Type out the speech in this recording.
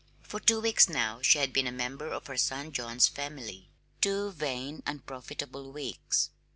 For two weeks, now, she had been a member of her son John's family two vain, unprofitable weeks.